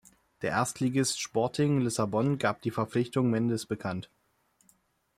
Der Erstligist Sporting Lissabon gab die Verpflichtung Mendes bekannt.